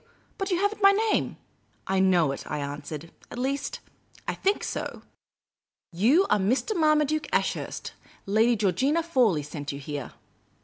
But you have n't my name." *' I know it," I answered. " At least, I think so. You are Mr, Marmaduke Ashurst. Lady Georgina Fawley sent you here.